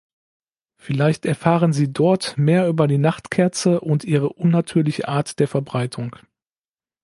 Vielleicht erfahren Sie dort mehr über die Nachtkerze und ihre unnatürliche Art der Verbreitung.